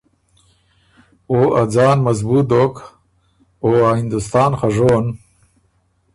او ا ځان مضبوط دوک او ا هندوستان خه ژون،